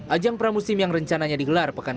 ajang pramusim yang rencananya digelar pekan